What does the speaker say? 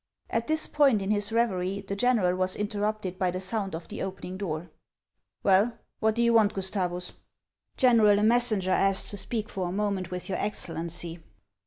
At this point in his revery, the general was interrupted by the sound of the opening door. " Well, what do you want, Gustavus ?" 224 HAMS OF ICELAND. " General, a messenger asks to speak for a moment with your Excellency."